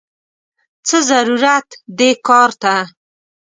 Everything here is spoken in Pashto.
څه ضرورت دې کار ته!!